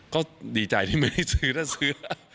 ก็ดีใจที่ไม่ได้ซื้อถ้าซื้อ